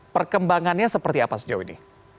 perkembangannya seperti apa sejauh ini